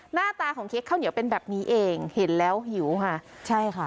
หน้าตาของเค้กข้าวเหนียวเป็นแบบนี้เองเห็นแล้วหิวค่ะใช่ค่ะ